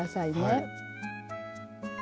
はい。